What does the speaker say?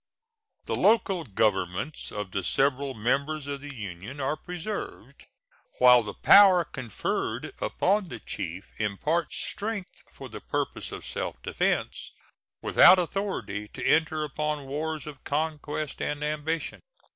The local governments of the several members of the union are preserved, while the power conferred upon the chief imparts strength for the purposes of self defense, without authority to enter upon wars of conquest and ambition.